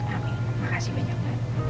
amin makasih banyak mbak